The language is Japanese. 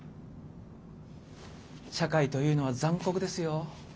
社会というのは残酷ですよ。